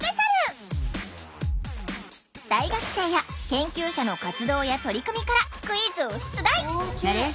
大学生や研究者の活動や取り組みからクイズを出題。